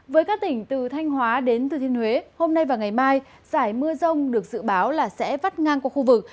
với các tỉnh từ thanh hóa đến thừa thiên huế hôm nay và ngày mai giải mưa rông được dự báo là sẽ vắt ngang qua khu vực